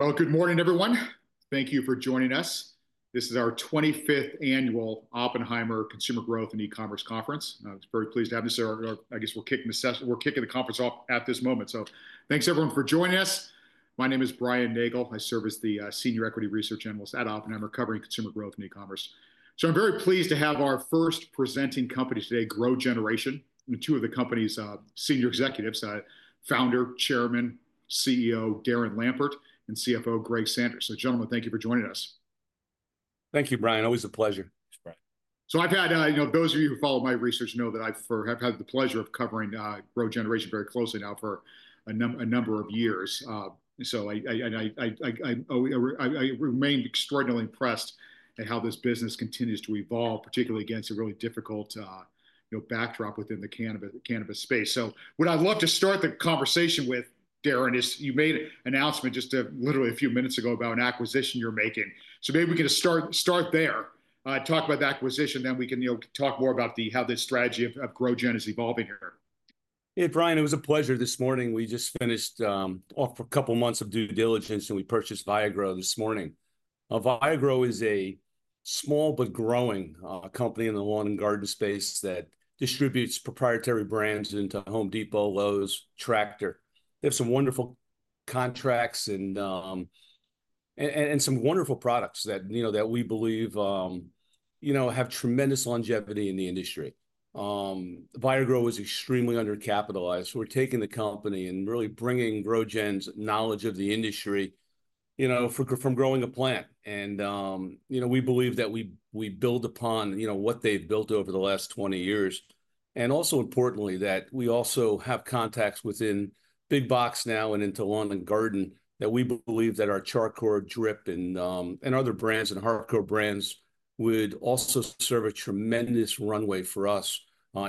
Good morning, everyone. Thank you for joining us. This is our 25th annual Oppenheimer Consumer Growth and E-commerce Conference. I was very pleased to have you. I guess we're kicking the conference off at this moment. Thanks, everyone, for joining us. My name is Brian Nagel. I serve as the Senior Equity Research Analyst at Oppenheimer, covering consumer growth and e-commerce. I'm very pleased to have our first presenting company today, GrowGeneration, and two of the company's senior executives, Founder, Chairman, CEO Darren Lampert, and CFO Greg Sanders. Gentlemen, thank you for joining us. Thank you, Brian. Always a pleasure. I've had, you know, those of you who follow my research know that I've had the pleasure of covering GrowGeneration very closely now for a number of years. I remain extraordinarily impressed at how this business continues to evolve, particularly against a really difficult backdrop within the cannabis space. What I'd love to start the conversation with, Darren, is you made an announcement just literally a few minutes ago about an acquisition you're making. Maybe we could start there, talk about the acquisition, then we can talk more about how the strategy of GrowGen is evolving here. Yeah, Brian, it was a pleasure this morning. We just finished off a couple of months of due diligence, and we purchased Viagrow this morning. Viagrow is a small but growing company in the lawn and garden space that distributes proprietary brands into Home Depot, Lowe's, and Tractor. They have some wonderful contracts and some wonderful products that we believe, you know, have tremendous longevity in the industry. Viagrow is extremely undercapitalized. We're taking the company and really bringing GrowGen's knowledge of the industry, you know, from growing a plant. And, you know, we believe that we build upon, you know, what they've built over the last 20 years. Also importantly, we also have contacts within Big Box now and into lawn and garden that we believe that our Char Coir drip and other brands and hardcore brands would also serve a tremendous runway for us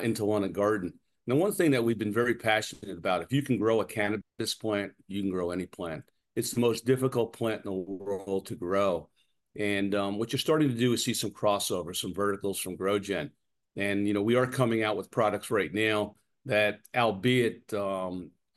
into lawn and garden. One thing that we have been very passionate about, if you can grow a cannabis plant, you can grow any plant. It is the most difficult plant in the world to grow. What you are starting to do is see some crossovers, some verticals from GrowGen. You know, we are coming out with products right now that, albeit,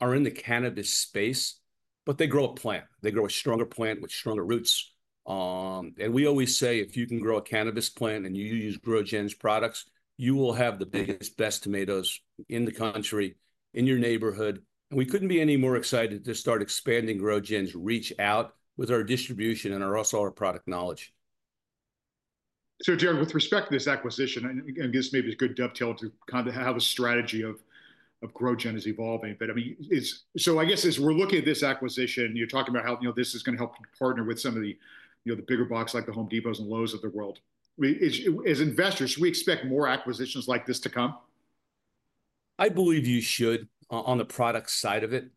are in the cannabis space, but they grow a plant. They grow a stronger plant with stronger roots. We always say, if you can grow a cannabis plant and you use GrowGen's products, you will have the biggest, best tomatoes in the country, in your neighborhood. We couldn't be any more excited to start expanding GrowGen's reach out with our distribution and also our product knowledge. Darren, with respect to this acquisition, I guess maybe it's a good dovetail to kind of have a strategy of GrowGen is evolving. I mean, I guess as we're looking at this acquisition, you're talking about how, you know, this is going to help you partner with some of the, you know, the bigger box like the Home Depots and Lowe's of the world. As investors, should we expect more acquisitions like this to come? I believe you should on the product side of it,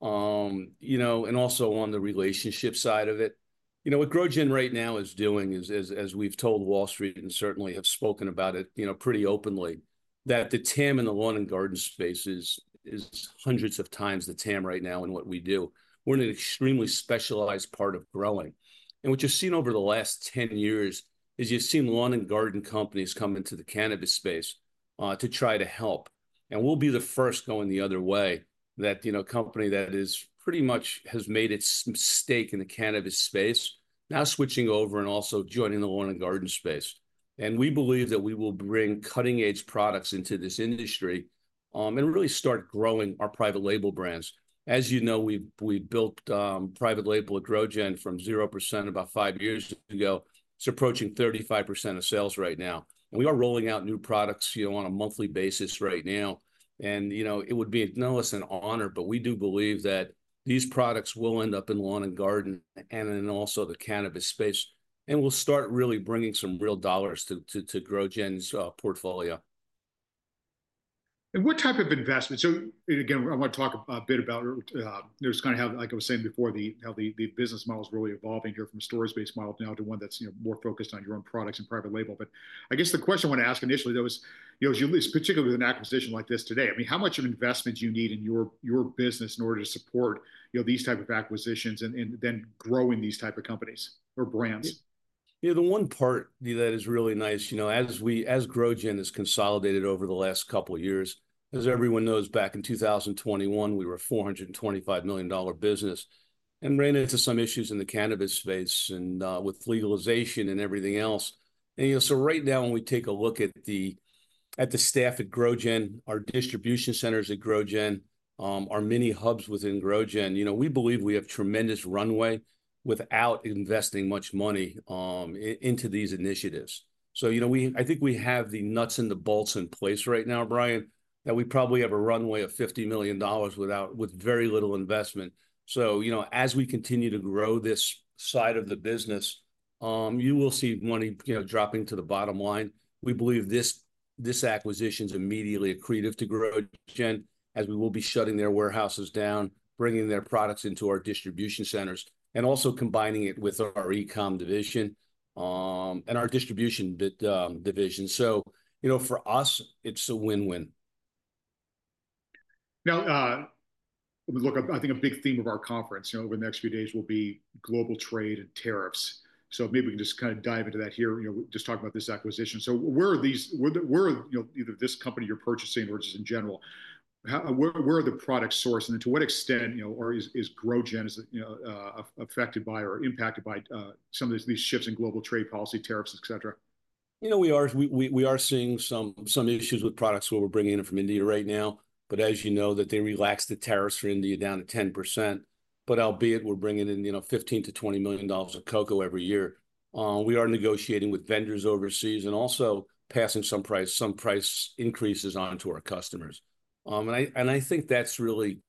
you know, and also on the relationship side of it. You know, what GrowGen right now is doing is, as we've told Wall Street and certainly have spoken about it, you know, pretty openly, that the TAM in the lawn and garden space is hundreds of times the TAM right now in what we do. We're in an extremely specialized part of growing. And what you've seen over the last 10 years is you've seen lawn and garden companies come into the cannabis space to try to help. We'll be the first going the other way that, you know, a company that has pretty much made its stake in the cannabis space, now switching over and also joining the lawn and garden space. We believe that we will bring cutting-edge products into this industry and really start growing our private label brands. As you know, we built private label at GrowGen from 0% about five years ago. It's approaching 35% of sales right now. We are rolling out new products, you know, on a monthly basis right now. You know, it would be no less an honor, but we do believe that these products will end up in lawn and garden and then also the cannabis space. We'll start really bringing some real dollars to GrowGen's portfolio. What type of investment? Again, I want to talk a bit about, there's kind of, like I was saying before, how the business model is really evolving here from a storage-based model now to one that's, you know, more focused on your own products and private label. I guess the question I want to ask initially though, is you know, particularly with an acquisition like this today, I mean, how much of an investment do you need in your business in order to support, you know, these types of acquisitions and then growing these types of companies or brands? Yeah, the one part that is really nice, you know, as GrowGen has consolidated over the last couple of years. As everyone knows, back in 2021, we were a $425 million business and ran into some issues in the cannabis space and with legalization and everything else. You know, right now, when we take a look at the staff at GrowGen, our distribution centers at GrowGen, our mini hubs within GrowGen, you know, we believe we have tremendous runway without investing much money into these initiatives. You know, I think we have the nuts in the bolts in place right now, Brian, that we probably have a runway of $50 million with very little investment. You know, as we continue to grow this side of the business, you will see money, you know, dropping to the bottom line. We believe this acquisition is immediately accretive to GrowGen as we will be shutting their warehouses down, bringing their products into our distribution centers, and also combining it with our e-com division and our distribution division. You know, for us, it's a win-win. Now, look, I think a big theme of our conference, you know, over the next few days will be global trade and tariffs. Maybe we can just kind of dive into that here, you know, just talk about this acquisition. Where are these, where are, you know, either this company you're purchasing versus in general, where are the products sourced? To what extent, you know, is GrowGen affected by or impacted by some of these shifts in global trade policy, tariffs, et cetera? You know, we are seeing some issues with products where we're bringing in from India right now. As you know, they relaxed the tariffs for India down to 10%. Albeit, we're bringing in, you know, $15 million-$20 million of coco every year. We are negotiating with vendors overseas and also passing some price increases onto our customers. I think that's really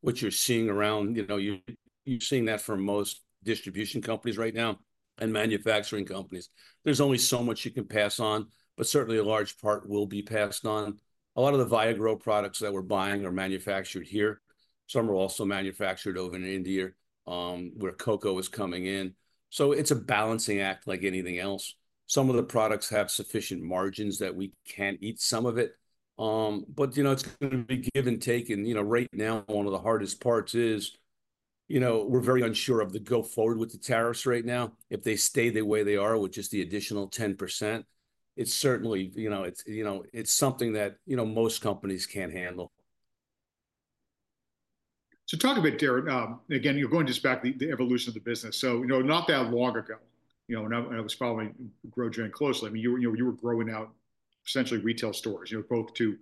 what you're seeing around; you know, you're seeing that from most distribution companies right now and manufacturing companies. There's only so much you can pass on, but certainly a large part will be passed on. A lot of the Viagrow products that we're buying are manufactured here. Some are also manufactured over in India, where coco is coming in. It's a balancing act like anything else. Some of the products have sufficient margins that we can eat some of it. You know, it's going to be give and take. You know, right now, one of the hardest parts is, you know, we're very unsure of the go-forward with the tariffs right now. If they stay the way they are with just the additional 10%, it's certainly, you know, it's something that, you know, most companies can't handle. Talk a bit, Darren. Again, you're going just back to the evolution of the business. You know, not that long ago, you know, and I was following GrowGen closely, I mean, you were growing out essentially retail stores, you know, both to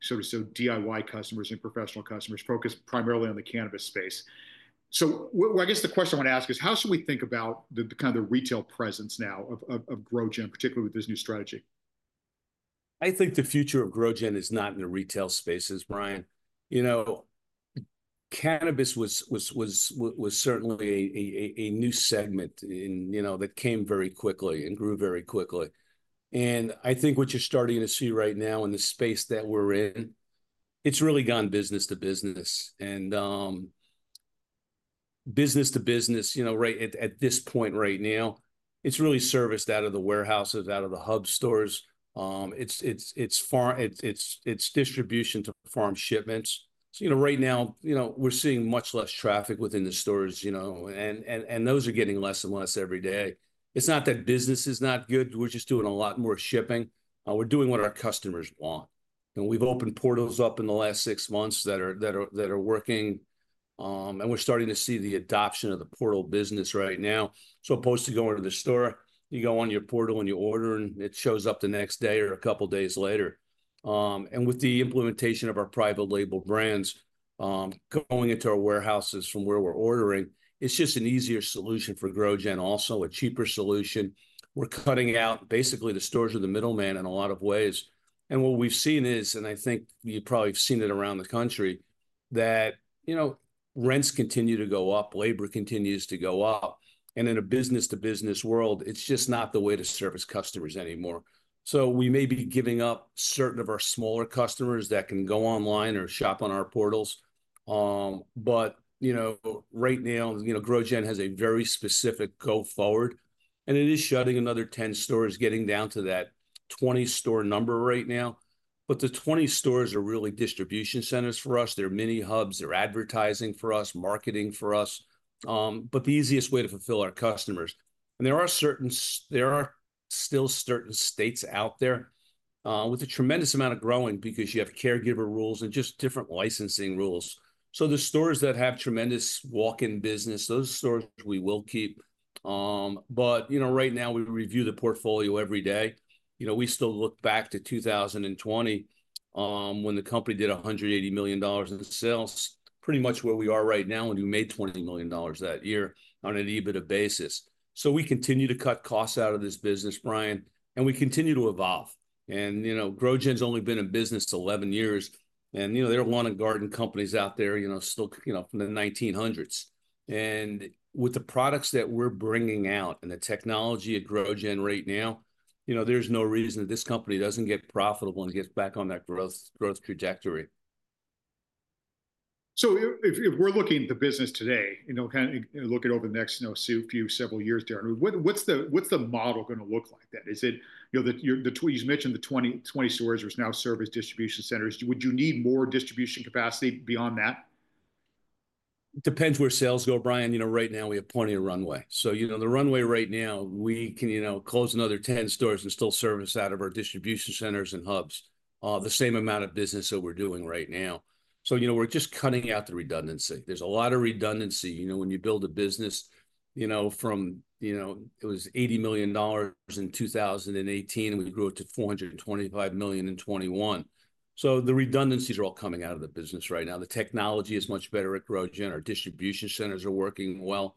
sort of DIY customers and professional customers focused primarily on the cannabis space. I guess the question I want to ask is, how should we think about the kind of the retail presence now of GrowGen, particularly with this new strategy? I think the future of GrowGen is not in the retail spaces, Brian. You know, cannabis was certainly a new segment, you know, that came very quickly and grew very quickly. I think what you're starting to see right now in the space that we're in, it's really gone business-to-business. Business-to-business, you know, right at this point right now, it's really serviced out of the warehouses, out of the hub stores. It's distribution to farm shipments. You know, right now, we're seeing much less traffic within the stores, you know, and those are getting less and less every day. It's not that business is not good. We're just doing a lot more shipping. We're doing what our customers want. We've opened portals up in the last six months that are working. We're starting to see the adoption of the portal business right now. Opposed to going to the store, you go on your portal and you order, and it shows up the next day or a couple of days later. With the implementation of our private label brands going into our warehouses from where we're ordering, it's just an easier solution for GrowGen, also a cheaper solution. We're cutting out basically the stores, or the middleman, in a lot of ways. What we've seen is, and I think you probably have seen it around the country, that, you know, rents continue to go up, labor continues to go up. In a business-to-business world, it's just not the way to service customers anymore. We may be giving up certain of our smaller customers that can go online or shop on our portals. But, you know, right now, you know, GrowGen has a very specific go-forward. It is shutting another 10 stores, getting down to that 20-store number right now. The 20 stores are really distribution centers for us. They're mini hubs. They're advertising for us, marketing for us. The easiest way to fulfill our customers. There are still certain states out there with a tremendous amount of growing because you have caregiver rules and just different licensing rules. The stores that have tremendous walk-in business, —those stores we will keep. But, you know, right now, we review the portfolio every day. You know, we still look back to 2020 when the company did $180 million in sales, pretty much where we are right now, and we made $20 million that year on an EBITDA basis. We continue to cut costs out of this business, Brian, and we continue to evolve. And, you know, GrowGen's only been in business 11 years. And, you know, there are lawn and garden companies out there, you know, still, you know, from the 1900s. And with the products that we're bringing out and the technology at GrowGen right now, you know, there's no reason that this company doesn't get profitable and gets back on that growth trajectory. If we're looking at the business today, you know, kind of looking over the next, you know, few several years, Darren, what's the model going to look like then? Is it, you know, you've mentioned the 20 stores are now service distribution centers. Would you need more distribution capacity beyond that? Depends where sales go, Brian. You know, right now, we have plenty of runway. You know, the runway right now, we can, you know, close another 10 stores and still service out of our distribution centers and hubs the same amount of business that we're doing right now. You know, we're just cutting out the redundancy. There's a lot of redundancy, you know. When you build a business, you know, from, you know, it was $80 million in 2018, and we grew it to $425 million in 2021. The redundancies are all coming out of the business right now. The technology is much better at GrowGen. Our distribution centers are working well.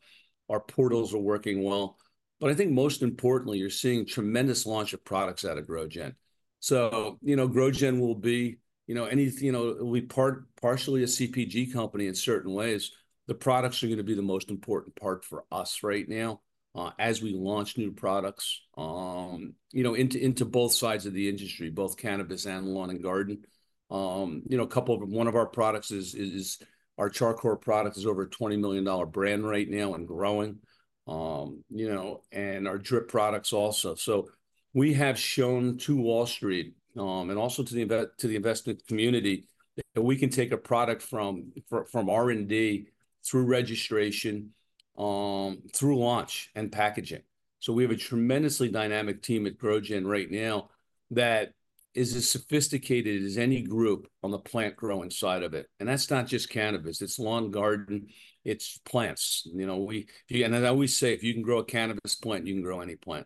Our portals are working well. I think most importantly, you're seeing tremendous launch of products out of GrowGen. You know, GrowGen will be, you know, any, you know, it'll be partially a CPG company in certain ways. The products are going to be the most important part for us right now as we launch new products, you know, into both sides of the industry, both cannabis and lawn and garden. You know, a couple of one of our products is our Char Coir product is over $20 million brand right now and growing, you know—and our drip products also. We have shown to Wall Street and also to the investment community that we can take a product from R&D through registration, through launch and packaging. We have a tremendously dynamic team at GrowGen right now that is as sophisticated as any group on the plant-growing side of it. That's not just cannabis. It's lawn garden. It's plants. You know, and I always say, if you can grow a cannabis plant, you can grow any plant.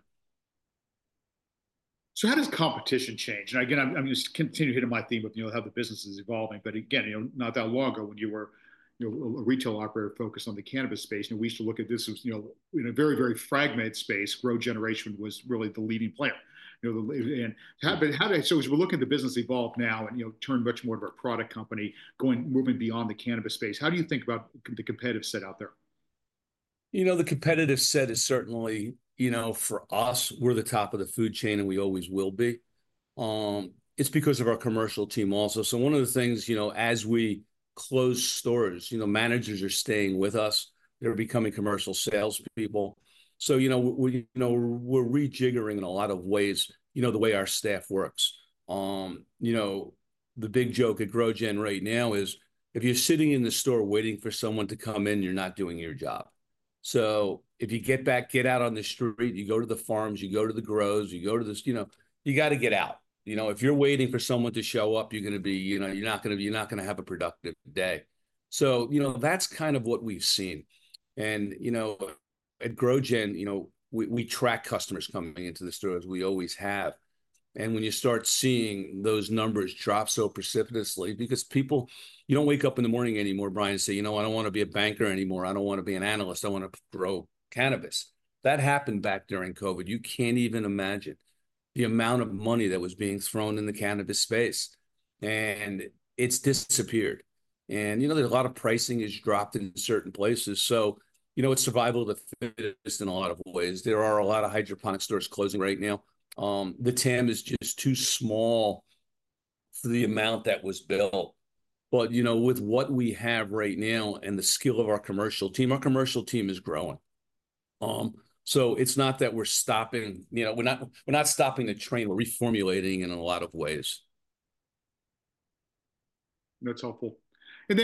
How does competition change? I am going to continue here to my theme of, you know, how the business is evolving. Again, not that long ago when you were a retail operator focused on the cannabis space, and we used to look at this as, you know, in a very, very fragmented space, GrowGeneration was really the leading player. You know, as we are looking at the business evolve now and turn much more to our product company, moving beyond the cannabis space, how do you think about the competitive set out there? You know, the competitive set is certainly, you know, for us, we're the top of the food chain and we always will be. It's because of our commercial team also. One of the things, you know, as we close stores, you know, managers are staying with us. They're becoming commercial salespeople. You know, we're rejiggering in a lot of ways, you know, the way our staff works. You know, the big joke at GrowGen right now is if you're sitting in the store waiting for someone to come in, you're not doing your job. If you get back, get out on the street, you go to the farms, you go to the grows, you go to this, you know, you got to get out. You know, if you're waiting for someone to show up, you're going to be, you know, you're not going to have a productive day. You know, that's kind of what we've seen. You know, at GrowGen, you know, we track customers coming into the stores; we always have. When you start seeing those numbers drop so precipitously because people, you don't wake up in the morning anymore, Brian, and say. You know, I don't want to be a banker anymore. I don't want to be an analyst. I want to grow cannabis. That happened back during COVID. You can't even imagine the amount of money that was being thrown in the cannabis space. It's disappeared. You know, there's a lot of pricing has dropped in certain places. You know, it's survival of the fittest in a lot of ways. There are a lot of hydroponic stores closing right now. The TAM is just too small for the amount that was built. But, you know, with what we have right now and the skill of our commercial team, our commercial team is growing. So it's not that we're stopping, you know; we're not stopping the train. We're reformulating in a lot of ways. That's helpful. In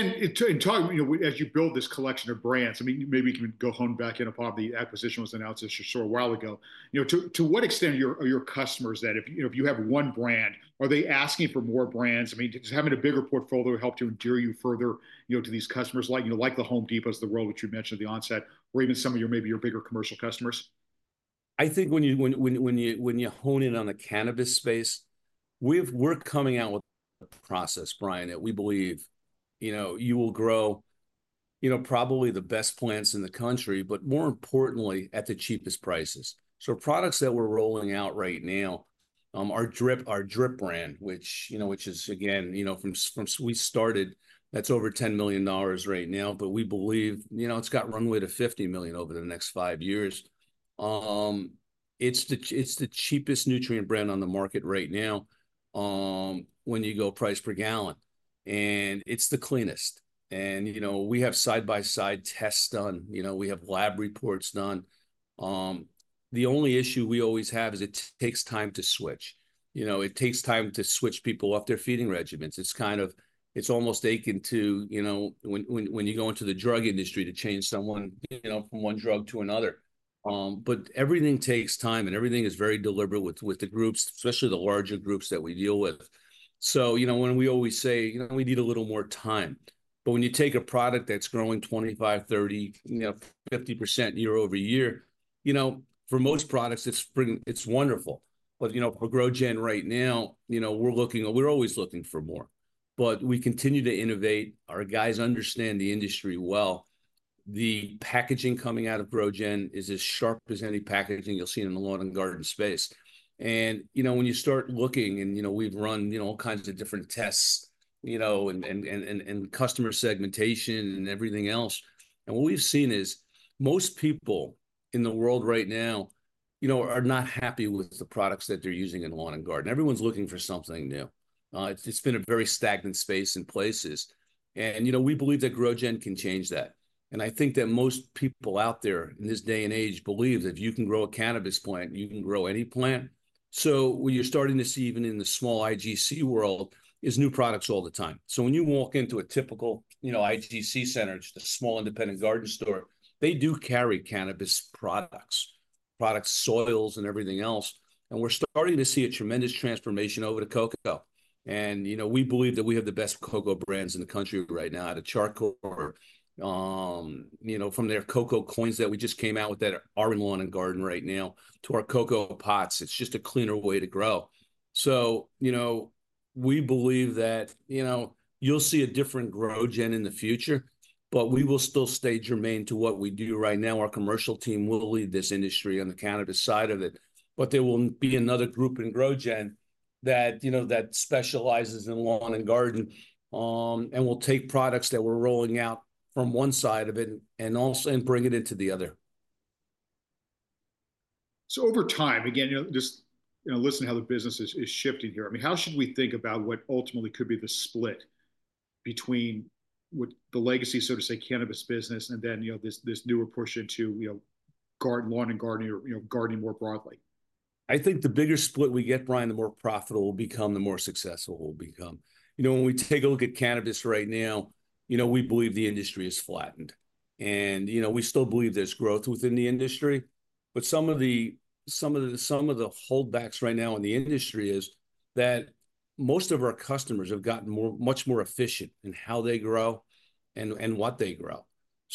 talking, you know, as you build this collection of brands, I mean, maybe we can go back in upon the acquisition was announced just a short while ago, you know, to what extent are your customers that if you have one brand, are they asking for more brands? I mean, having a bigger portfolio helped you endear you further, you know, to these customers, like, you know, like the Home Depots of the world, which you mentioned at the onset, or even some of your maybe your bigger commercial customers? I think when you hone in on the cannabis space, we're coming out with a process, Brian, that we believe, you know, you will grow, you know, probably the best plants in the country, but more importantly, at the cheapest prices. Products that we're rolling out right now are our drip brand, which, you know, which is again, you know, from we started, that's over $10 million right now. We believe, you know, it's got runway to $50 million over the next five years. It's the cheapest nutrient brand on the market right now when you go price per gallon. It's the cleanest. You know, we have side-by-side tests done. You know, we have lab reports done. The only issue we always have is it takes time to switch. You know, it takes time to switch people off their feeding regimens. It's kind of, it's almost akin to, you know, when you go into the drug industry to change someone, you know, from one drug to another. Everything takes time, and everything is very deliberate with the groups, especially the larger groups that we deal with. You know, we always say, you know, we need a little more time. When you take a product that's growing 25%, 30%, you know, 50% year-over-year, you know, for most products, it's wonderful. For GrowGen right now, you know, we're looking; we're always looking for more. We continue to innovate. Our guys understand the industry well. The packaging coming out of GrowGen is as sharp as any packaging you'll see in the lawn and garden space. You know, when you start looking and, you know, we've run all kinds of different tests, you know, and customer segmentation and everything else. What we've seen is most people in the world right now, you know, are not happy with the products that they're using in lawn and garden. Everyone's looking for something new. It's been a very stagnant space in places. You know, we believe that GrowGen can change that. I think that most people out there in this day and age believe that if you can grow a cannabis plant, you can grow any plant. What you're starting to see even in the small IGC world is new products all the time. When you walk into a typical, you know, IGC center, just a small independent garden store, they do carry cannabis products, products, soils, and everything else. We're starting to see a tremendous transformation over to coco. You know, we believe that we have the best coco brands in the country right now out of Char Coir, you know, from their coco coins that we just came out with that are in lawn and garden right now to our coco pots. It's just a cleaner way to grow. You know, we believe that, you know, you'll see a different GrowGen in the future, but we will still stay germane to what we do right now. Our commercial team will lead this industry on the cannabis side of it. There will be another group in GrowGen that, you know, specializes in lawn and garden and will take products that we're rolling out from one side of it and also bring it into the other. Over time, again, you know, just, you know, listen to how the business is shifting here. I mean, how should we think about what ultimately could be the split between the legacy, so to say, cannabis business and then, you know, this newer portion to, you know, lawn and garden or, you know, gardening more broadly? I think the bigger split we get, Brian, the more profitable we'll become, the more successful we'll become. You know, when we take a look at cannabis right now, you know, we believe the industry is flattened. You know, we still believe there's growth within the industry. Some of the holdbacks right now in the industry is that most of our customers have gotten much more efficient in how they grow and what they grow.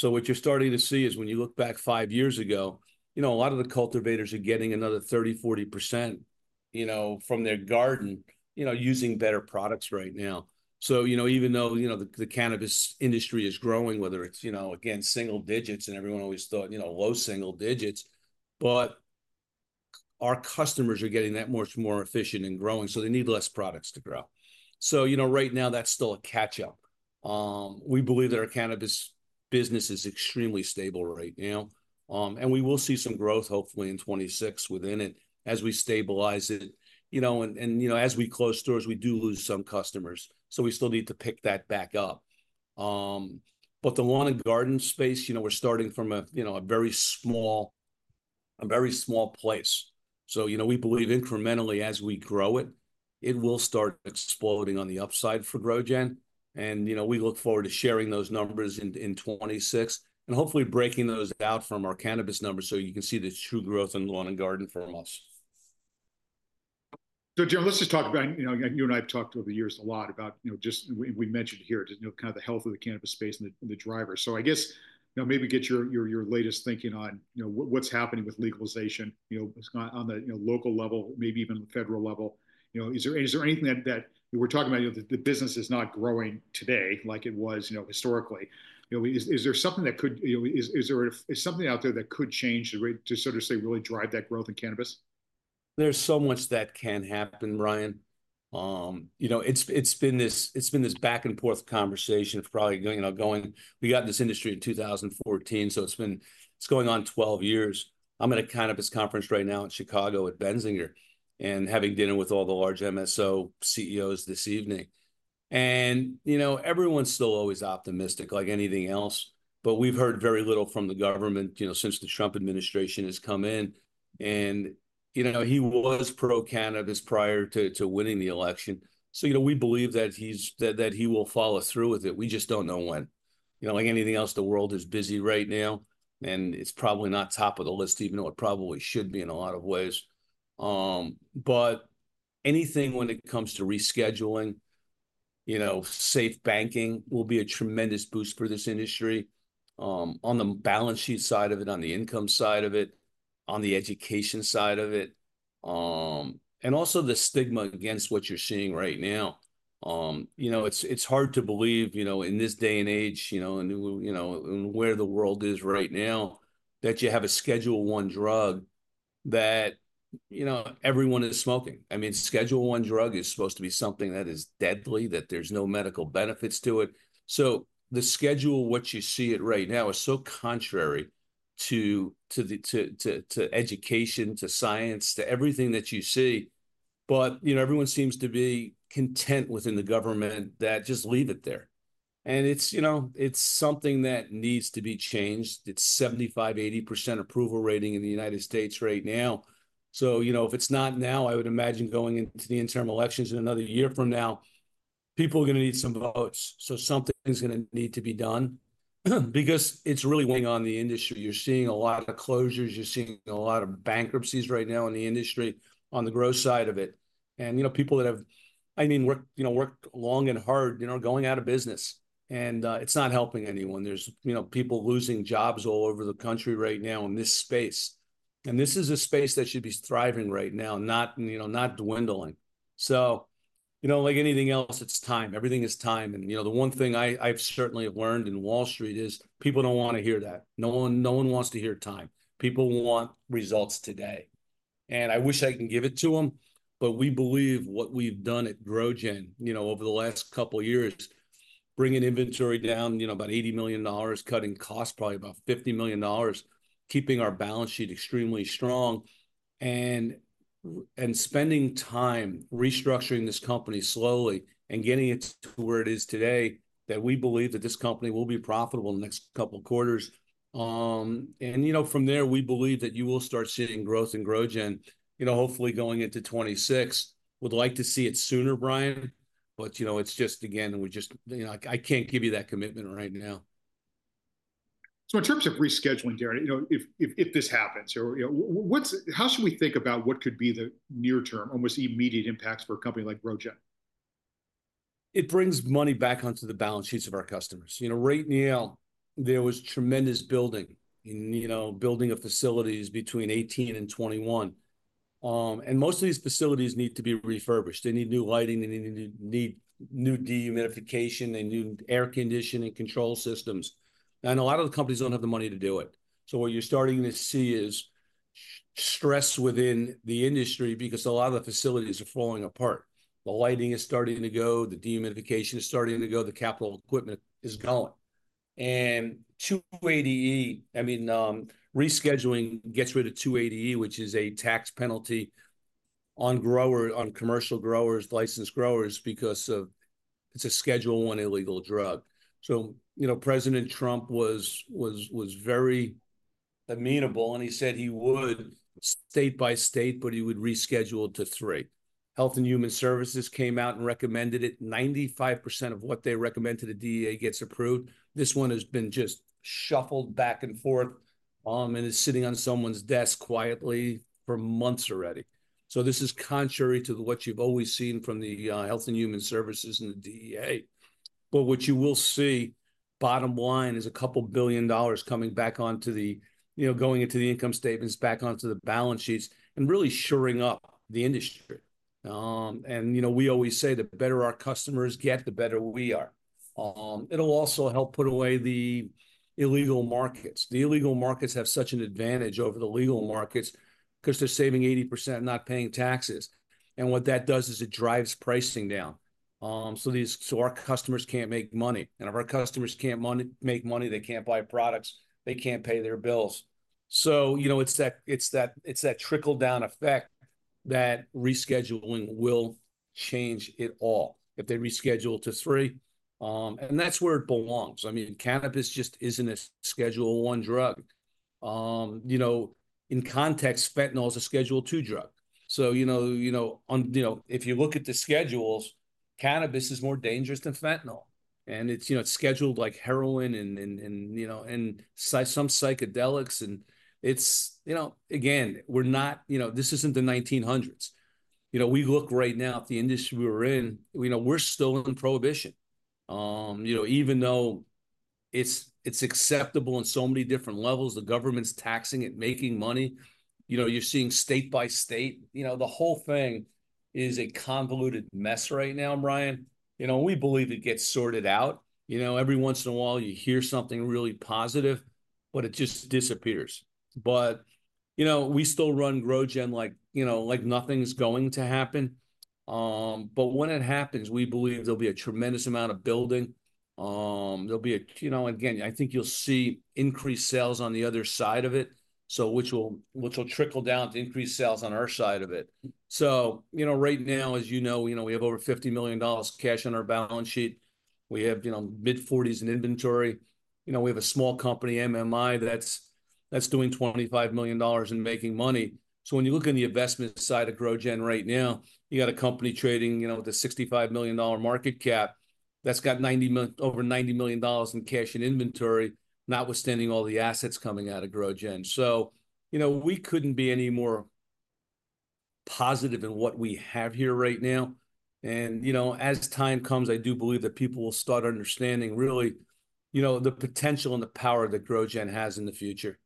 What you're starting to see is when you look back five years ago, a lot of the cultivators are getting another 30%-40%, you know, from their garden, you know, using better products right now. You know, even though, you know, the cannabis industry is growing, whether it's, you know, again, single digits and everyone always thought, you know, low single digits, but our customers are getting that much more efficient and growing. They need less products to grow. You know, right now that's still a catch-up. We believe that our cannabis business is extremely stable right now. We will see some growth hopefully in 2026 within it as we stabilize it, you know, and, you know, as we close stores, we do lose some customers. We still need to pick that back up. The lawn and garden space, you know, we're starting from a, you know, a very small, a very small place. You know, we believe incrementally as we grow it, it will start exploding on the upside for GrowGen. We look forward to sharing those numbers in 2026 and hopefully breaking those out from our cannabis numbers so you can see the true growth in lawn and garden from us. Darren, let's just talk about, you know, again, you and I have talked over the years a lot about, you know, just we mentioned here, you know, kind of the health of the cannabis space and the drivers. I guess, you know, maybe get your latest thinking on, you know, what's happening with legalization, you know, on the, you know, local level, maybe even the federal level. You know, is there anything that we're talking about, you know, the business is not growing today like it was, you know, historically. You know, is there something that could, you know, is there something out there that could change to sort of say, really drive that growth in cannabis? There's so much that can happen, Brian. You know, it's been this back-and-forth conversation of probably going, you know, going. We got in this industry in 2014. So it's been, it's going on 12 years. I'm at a cannabis conference right now in Chicago at Benzinga and having dinner with all the large MSO CEOs this evening. You know, everyone's still always optimistic, like anything else. We've heard very little from the government, you know, since the Trump administration has come in. You know, he was pro-cannabis prior to winning the election. You know, we believe that he will follow through with it. We just don't know when. You know, like anything else, the world is busy right now. It's probably not top of the list, even though it probably should be in a lot of ways. Anything when it comes to rescheduling, you know, safe banking will be a tremendous boost for this industry on the balance sheet side of it, on the income side of it, on the education side of it. Also the stigma against what you're seeing right now. You know, it's hard to believe, you know, in this day and age, you know, and, you know, where the world is right now, that you have a Schedule I drug that, you know, everyone is smoking. I mean, Schedule I drug is supposed to be something that is deadly, that there's no medical benefits to it. The schedule, what you see it right now, is so contrary to education, to science, to everything that you see. You know, everyone seems to be content within the government that just leave it there. It's, you know, it's something that needs to be changed. It's 75%-80% approval rating in the United States right now. You know, if it's not now, I would imagine going into the interim elections in another year from now, people are going to need some votes. Something's going to need to be done because it's really weighing on the industry. You're seeing a lot of closures. You're seeing a lot of bankruptcies right now in the industry on the growth side of it. You know, people that have, I mean, worked, you know, worked long and hard, you know, going out of business. It's not helping anyone. There's, you know, people losing jobs all over the country right now in this space. This is a space that should be thriving right now, not, you know, not dwindling. You know, like anything else, it's time. Everything is time. You know, the one thing I've certainly learned in Wall Street is people don't want to hear that. No one wants to hear time. People want results today. I wish I can give it to them, but we believe what we've done at GrowGen, you know, over the last couple of years, bringing inventory down about $80 million, cutting costs probably about $50 million, keeping our balance sheet extremely strong, and spending time restructuring this company slowly and getting it to where it is today, that we believe that this company will be profitable in the next couple of quarters. You know, from there, we believe that you will start seeing growth in GrowGen, you know, hopefully going into 2026. Would like to see it sooner, Brian. You know, it's just, again, we just, you know, I can't give you that commitment right now. In terms of rescheduling, Darren, you know, if this happens, or, you know, what's, how should we think about what could be the near-term, almost immediate impacts for a company like GrowGen? It brings money back onto the balance sheets of our customers. You know, right now, there was tremendous building and, you know, building of facilities between 2018 and 2021. Most of these facilities need to be refurbished. They need new lighting. They need new dehumidification and new air conditioning control systems. A lot of the companies do not have the money to do it. What you are starting to see is stress within the industry because a lot of the facilities are falling apart. The lighting is starting to go. The dehumidification is starting to go. The capital equipment is going. 280E, I mean, rescheduling gets rid of 280E, which is a tax penalty on growers, on commercial growers, licensed growers, because it is a Schedule I illegal drug. You know, President Trump was very amenable. He said he would state-by-state, but he would reschedule to three. Health and Human Services came out and recommended it. 95% of what they recommended to DEA gets approved. This one has been just shuffled back and forth and is sitting on someone's desk quietly for months already. This is contrary to what you've always seen from Health and Human Services and the DEA. What you will see bottom line is a couple billion dollars coming back onto the, you know, going into the income statements, back onto the balance sheets, and really shoring up the industry. You know, we always say the better our customers get, the better we are. It'll also help put away the illegal markets. The illegal markets have such an advantage over the legal markets because they're saving 80% and not paying taxes. What that does is it drives pricing down. Our customers cannot make money. If our customers cannot make money, they cannot buy products. They cannot pay their bills. It is that trickle-down effect that rescheduling will change it all if they reschedule to three. That is where it belongs. I mean, cannabis just is not a Schedule I drug. In context, fentanyl is a Schedule II drug. If you look at the schedules, cannabis is more dangerous than fentanyl. It is scheduled like heroin and some psychedelics. Again, we are not; this is not the 1900s. We look right now at the industry we are in. We are still in prohibition. You know, even though it's acceptable on so many different levels, the government's taxing it, making money. You know, you're seeing state-by-state, you know, the whole thing is a convoluted mess right now, Brian. You know, we believe it gets sorted out. You know, every once in a while, you hear something really positive, but it just disappears. You know, we still run GrowGen like, you know, like nothing's going to happen. When it happens, we believe there'll be a tremendous amount of building. There'll be a, you know, again, I think you'll see increased sales on the other side of it, which will trickle down to increased sales on our side of it. You know, right now, as you know, we have over $50 million cash on our balance sheet. We have, you know, mid-40s in inventory. You know, we have a small company, MMI, that's doing $25 million and making money. When you look in the investment side of GrowGen right now, you got a company trading, you know, with a $65 million market cap that's got over $90 million in cash and inventory, notwithstanding all the assets coming out of GrowGen. You know, we couldn't be any more positive in what we have here right now. And, you know, as time comes, I do believe that people will start understanding, really, you know, the potential and the power that GrowGen has in the future.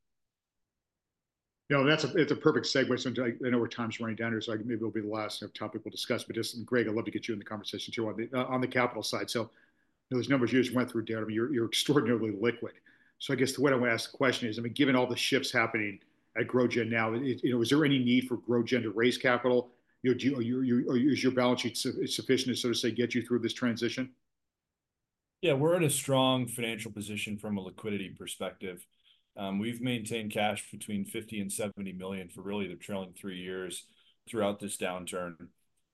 You know, that's a, —it's a perfect segue. I know we're time's running down here, so maybe it'll be the last topic we'll discuss. Just, Greg, I'd love to get you in the conversation too on the capital side. Those numbers you just went through, Darren, you're extraordinarily liquid. I guess the way I want to ask the question is, I mean, given all the shifts happening at GrowGen now, you know, is there any need for GrowGen to raise capital? You know, is your balance sheet sufficient to sort of say get you through this transition? Yeah, we're in a strong financial position from a liquidity perspective. We've maintained cash between $50 million and $70 million for really the trailing three years throughout this downturn.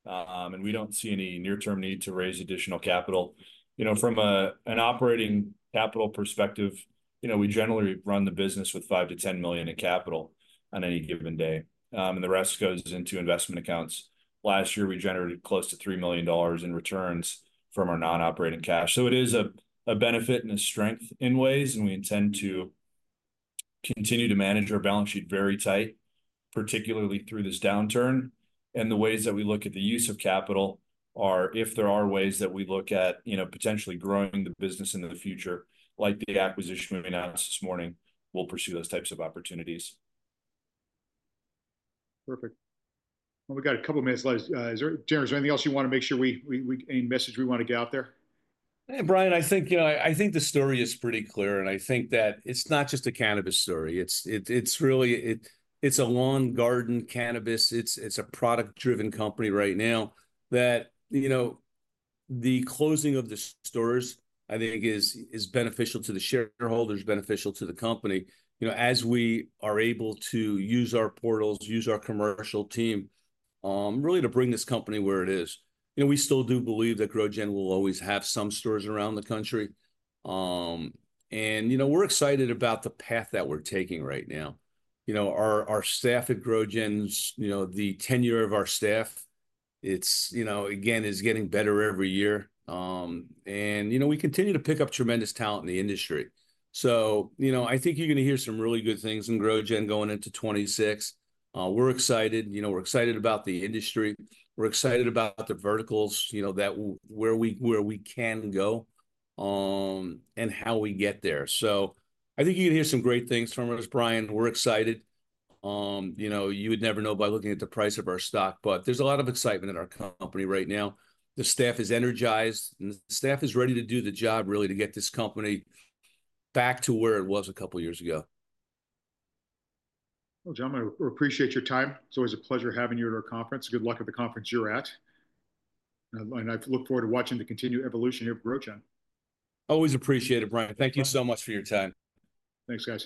We don't see any near-term need to raise additional capital. You know, from an operating capital perspective, you know, we generally run the business with $5 million-$10 million in capital on any given day. The rest goes into investment accounts. Last year, we generated close to $3 million in returns from our non-operating cash. It is a benefit and a strength in ways. We intend to continue to manage our balance sheet very tight, particularly through this downturn. The ways that we look at the use of capital are if there are ways that we look at, you know, potentially growing the business in the future, like the acquisition we announced this morning, we'll pursue those types of opportunities. Perfect. We got a couple of minutes left. Darren, is there anything else you want to make sure we, we, any message we want to get out there? Hey, Brian, I think, you know, I think the story is pretty clear. I think that it's not just a cannabis story. It's really, it's a lawn garden cannabis. It's a product-driven company right now that, you know, the closing of the stores, I think, is beneficial to the shareholders, beneficial to the company. You know, as we are able to use our portals, use our commercial team really to bring this company where it is. You know, we still do believe that GrowGen will always have some stores around the country. You know, we're excited about the path that we're taking right now. You know, our staff at GrowGen's, you know, the tenure of our staff, it's, you know, again, is getting better every year. You know, we continue to pick up tremendous talent in the industry. You know, I think you're going to hear some really good things in GrowGen going into 2026. We're excited. You know, we're excited about the industry. We're excited about the verticals, you know, where we can go and how we get there. I think you can hear some great things from us, Brian. We're excited. You know, you would never know by looking at the price of our stock, but there's a lot of excitement in our company right now. The staff is energized. The staff is ready to do the job really to get this company back to where it was a couple of years ago. John, I appreciate your time. It's always a pleasure having you at our conference. Good luck at the conference you're at. I look forward to watching the continued evolution here at GrowGen. Always appreciate it, Brian. Thank you so much for your time. Thanks, guys.